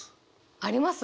あります！